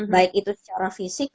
baik itu secara fisik